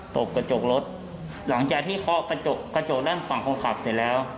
ตบกระจกรถหลังจากที่เคาะกระจกกระจกด้านฝั่งคนขับเสร็จแล้ว